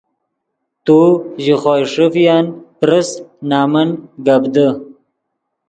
تو ژے خوئے ݰیفین پرس نمن گپ دے